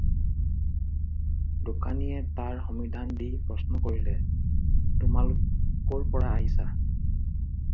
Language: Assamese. দোকানীয়ে তাৰ সমিধান দি প্ৰশ্ন কৰিলে- "তোমালোক ক'ৰ পৰা আহিছা?"